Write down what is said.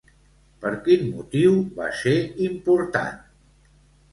Per quin motiu va ser important?